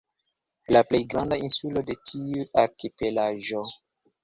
La plej granda insulo de tiu arkipelago.